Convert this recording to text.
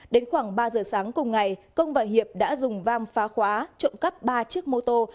đến khoảng ba giờ sáng cùng ngày công và hiệp đã dùng vam phá khóa trộm cắp ba chiếc mô tô